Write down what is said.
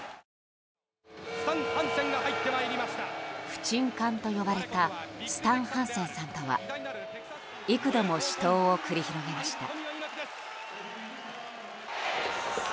不沈艦と呼ばれたスタン・ハンセンさんとは幾度も死闘を繰り広げました。